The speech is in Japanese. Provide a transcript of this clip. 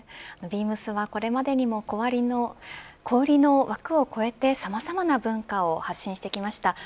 ビームスはこれまでにも小売りの枠を超えてさまざまな文化を発信してきました。